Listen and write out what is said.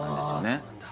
そうなんだ